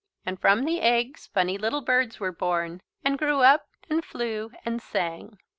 And from the eggs funny little birds were born and grew up and flew and sang.